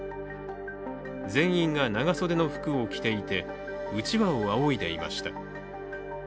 全員が長袖の服を着ていてうちわをあおいでいました。